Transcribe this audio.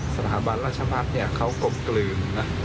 สถาบันราชภาพเขากลมกลืม